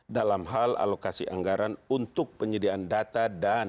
dalam hal alokasi anggaran untuk penyediaan data dan